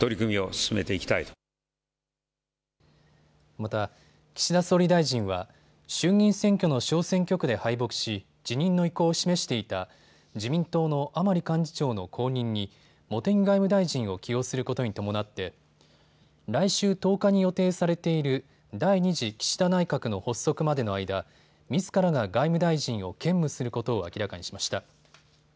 また、岸田総理大臣は衆議院選挙の小選挙区で敗北し辞任の意向を示していた自民党の甘利幹事長の後任に茂木外務大臣を起用することに伴って来週１０日に予定されている第２次岸田内閣の発足までの間、みずからが外務大臣を兼務することを明らかにしました。